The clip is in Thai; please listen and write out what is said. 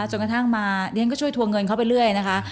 จนกระทั่งมาเรียนก็ช่วยทวงเงินเข้าไปเรื่อยนะคะ